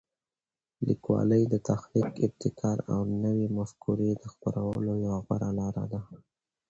لیکوالی د تخلیق، ابتکار او نوي مفکورې د خپرولو یوه غوره لاره ده.